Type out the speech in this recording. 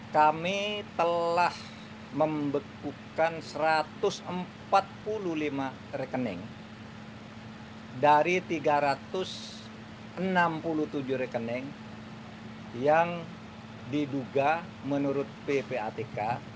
kami telah membekukan satu ratus empat puluh lima rekening dari tiga ratus enam puluh tujuh rekening yang diduga menurut ppatk